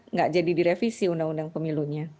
nggak jadi direvisi undang undang pemilunya